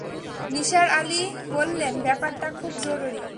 নিসার আলি বললেন, ব্যাপারটা খুব জরুরি।